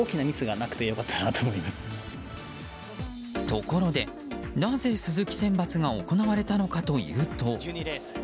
ところで、なぜ鈴木選抜が行われたのかというと。